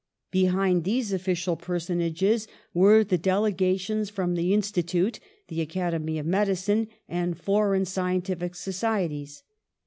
Behind these offi cial personages were the delegations from the Institute, the Academy of Medicine, and for eign scientific societies ; M.